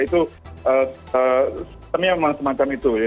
itu semacam itu ya